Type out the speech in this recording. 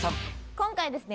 今回ですね